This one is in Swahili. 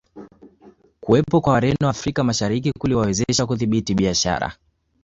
Kuwepo kwa Wareno Afrika Mashariki kuliwawezesha kudhibiti biashara